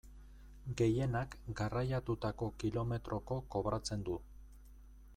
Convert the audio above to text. Gehienak garraiatutako kilometroko kobratzen du.